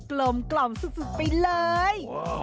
กลมกล่อมสุดไปเลย